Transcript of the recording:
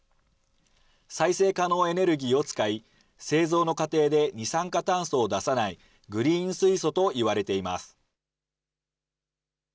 再生可能エネルギーを使い、製造の過程で二酸化炭素を出さない、グリーン水素といわれています。